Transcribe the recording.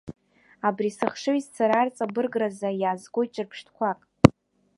Абри сыхшыҩзцара арҵабыргразы иаазгоит ҿырԥштәқәак.